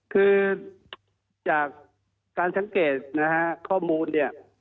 คือจากการสังเกตข้อมูล